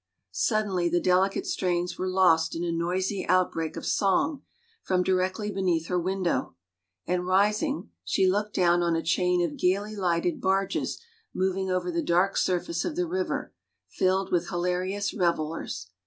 ..• Suddenly the delicate strains were lost in a noisy out break of song from directly beneath her window, and rising, she looked down on a chain of gayly lighted barges moving over the dark surface of the river, filled with hilarious revelers.